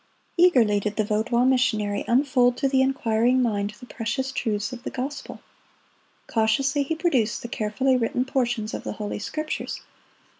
Eagerly did the Vaudois missionary unfold to the inquiring mind the precious truths of the gospel. Cautiously he produced the carefully written portions of the Holy Scriptures.